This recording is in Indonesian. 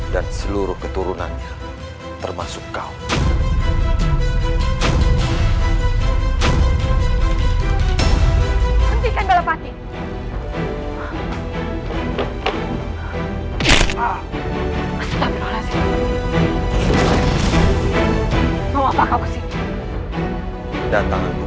dan seluruh keturunannya termasuk kau